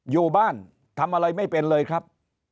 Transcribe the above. อยู่บ้านทำอะไรไม่เป็นเลยครับ